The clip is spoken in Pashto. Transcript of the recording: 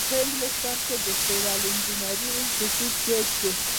په انګلستان کې د سیول انجینری انسټیټیوټ جوړ شو.